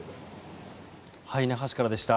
那覇市からでした。